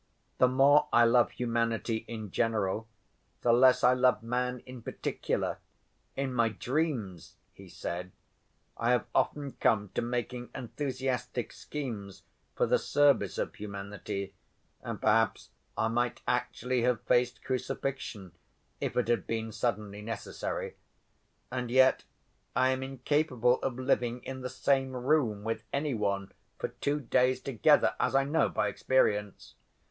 The more I love humanity in general, the less I love man in particular. In my dreams,' he said, 'I have often come to making enthusiastic schemes for the service of humanity, and perhaps I might actually have faced crucifixion if it had been suddenly necessary; and yet I am incapable of living in the same room with any one for two days together, as I know by experience.